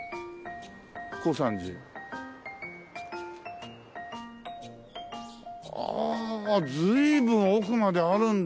「耕三寺」ああ随分奥まであるんだ。